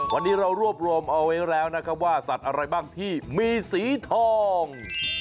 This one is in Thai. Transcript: วันนี้เรารวบรวมเอาไว้แล้วนะครับว่าสัตว์อะไรบ้างที่มีสีทอง